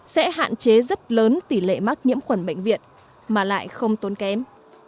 sẽ hạn chế rất lớn tỷ lệ mắc nhiễm khuẩn bệnh viện mà lại không tốn kém